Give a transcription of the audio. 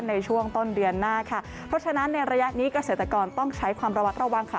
ในช่วงต้นเดือนหน้าค่ะเพราะฉะนั้นในระยะนี้เกษตรกรต้องใช้ความระวัดระวังค่ะ